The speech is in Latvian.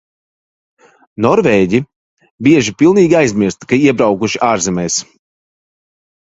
Norvēģi bieži pilnīgi aizmirst, ka iebraukuši ārzemēs.